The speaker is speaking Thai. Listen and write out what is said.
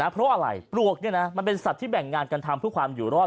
เพราะอะไรปลวกมันเป็นสัตว์ที่แบ่งงานกันทำเพื่อความอยู่รอด